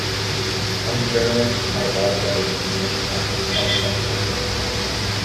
Some journalists hire bodyguards, and many practice self-censorship.